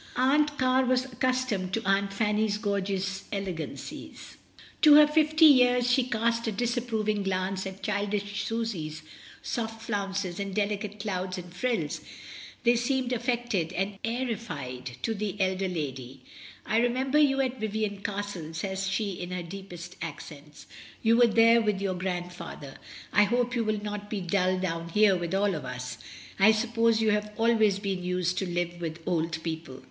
SUSANNA AT HOME. 21$ Aunt Car was accustomed to Aunt Fanny's gorgeous elegancies, to her fifty years; she cast a disapproving glance at childish Susy's soft flounces and delicate clouds and frills, they seemed affected and airified to the elder lady. "I remember you at Vivian Castle," says she in her deepest accents, "you were there with your grandfather. I hope you will not be dull down here with all of us. I suppose you have always been used to live with old people?"